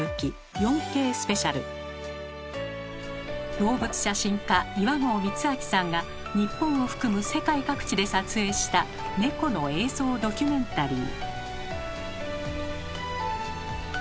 動物写真家岩合光昭さんが日本を含む世界各地で撮影したネコの映像ドキュメンタリー。